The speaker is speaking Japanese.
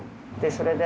それで。